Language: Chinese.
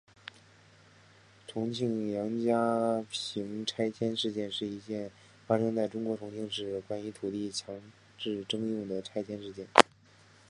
重庆杨家坪拆迁事件是一件发生在中国重庆市关于土地强制征用的拆迁事件。